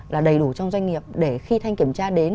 là đầy đủ trong doanh nghiệp để khi thanh kiểm tra đến